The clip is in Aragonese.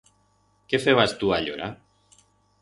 Qué febas tu allora?